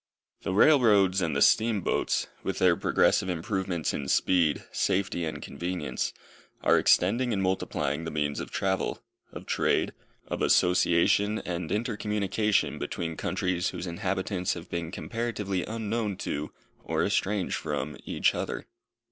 The rail roads and the steam boats, with their progressive improvements in speed, safety and convenience, are extending and multiplying the means of travel, of trade, of association, and intercommunication between countries whose inhabitants have been comparatively unknown to, or estranged from, each other.